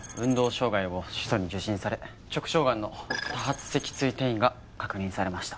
障害を主訴に受診され直腸癌の多発脊椎転移が確認されました。